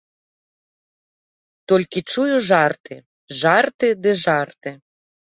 Толькі чую жарты, жарты ды жарты.